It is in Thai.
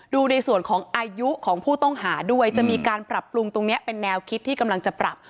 ดูในส่วนของอายุของผู้ต้องหาด้วยจะมีการปรับปรุงตรงนี้เป็นแนวคิดที่กำลังจะปรับ